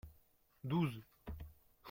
Douze.